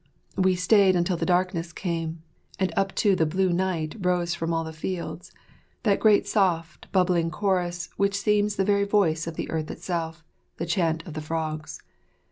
We stayed until the darkness came, and up to the blue night rose from all the fields "that great soft, bubbling chorus which seems the very voice of the earth itself the chant of the frogs."